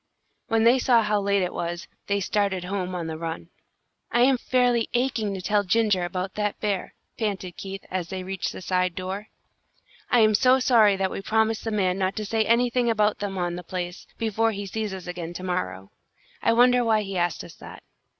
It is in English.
When they saw how late it was, they started home on the run. "I am fairly aching to tell Ginger about that bear," panted Keith, as they reached the side door. "I am so sorry that we promised the man not to say anything about them being on the place, before he sees us again to morrow. I wonder why he asked us that."